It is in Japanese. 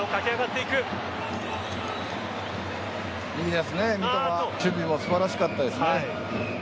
いいですね、三笘守備も素晴らしかったですね。